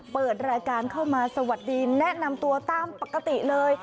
เปิดรายการเข้ามาสวัสดีแนะนำตัวตามปกติเลย